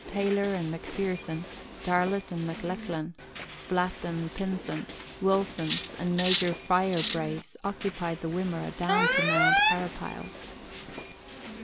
Taylor and McPherson, Darlot and McLachlan, Splatt and Pynsent, Wilsons, and Major Firebrace occupied the Wimmera down to Mount Arapiles.